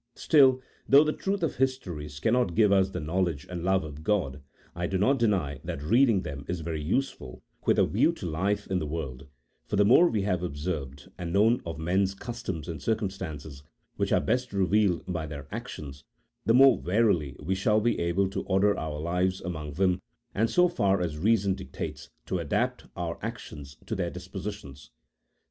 Still, though the truth of histories cannot give us the knowledge and love of God, I do not deny that reading them is very useful with a view to life in the world, for the more we have observed and known of men's customs and circumstances, which are best revealed by their actions, the more warily we shall be able to order our lives among them, and so far as reason dictates to adapt our actions to their dispositions.